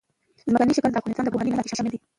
ځمکنی شکل د افغانستان د پوهنې نصاب کې شامل دي.